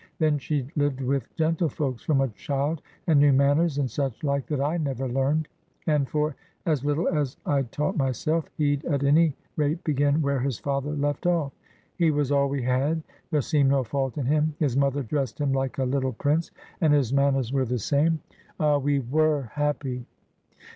Then she'd lived with gentlefolks from a child, and knew manners and such like that I never learned. And for as little as I'd taught myself, he'd at any rate begin where his father left off. He was all we had. There seemed no fault in him. His mother dressed him like a little prince, and his manners were the same. Ah, we were happy!